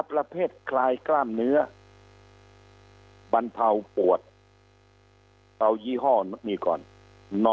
ประเภทคลายกล้ามเนื้อบรรเทาปวดเอายี่ห้อนี่ก่อน